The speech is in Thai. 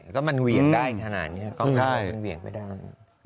ก็มันเหวี่ยงได้อย่างขนาดนี้มันเหวี่ยงไปได้